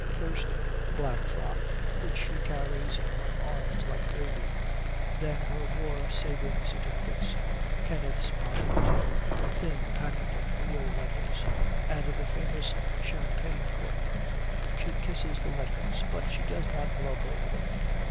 First, the black frock, which she carries in her arms like a baby. Then her War Savings Certificates, Kenneth's bonnet, a thin packet of real letters, and the famous champagne cork. She kisses the letters, but she does not blub over them.